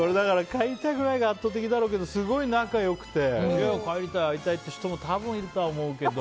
帰りたくないが圧倒的だろうけどすごい仲良くて帰りたい、会いたいって人も多分いると思うけど。